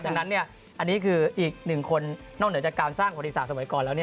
ดังนั้นอันนี้คืออีกหนึ่งคนนอกเหนือจากการสร้างประวัติศาสตสมัยก่อนแล้ว